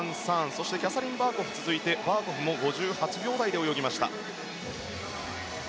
そしてキャサリン・バーコフが続いてバーコフも５８秒台で泳ぎました。